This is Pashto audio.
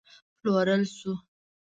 پلورل شو